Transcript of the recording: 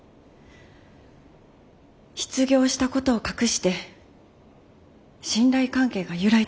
失業したことを隠して信頼関係が揺らいだからです。